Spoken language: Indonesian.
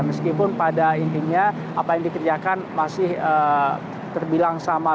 meskipun pada intinya apa yang dikerjakan masih terbilang sama